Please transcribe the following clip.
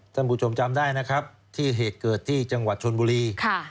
ท่านผู้ชมจำได้นะครับที่เหตุเกิดที่จังหวัดชนบุรี